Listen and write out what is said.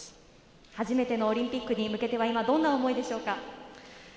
初めてのオリンピックに向けてはどんな思いでしょうか？